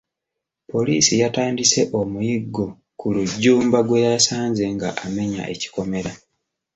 Poliisi yatandise omuyiggo ku Rujjumba gwe yasanze nga amenya ekikomera.